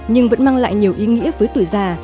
nhưng vẫn mang lại nhiều ý nghĩa với tuổi già